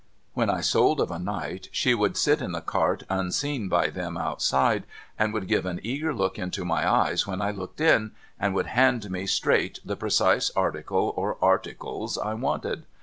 When I sold of a night, she would sit in the cart unseen by them outside, and would give a eager look into my eyes when I looked in, and would hand me straight the precise article or articles I wanted.